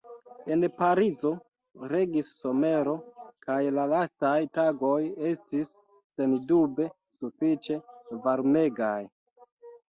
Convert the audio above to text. En Parizo regis somero kaj la lastaj tagoj estis sendube sufiĉe varmegaj.